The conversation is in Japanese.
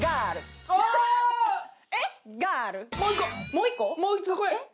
もう一個もう一声！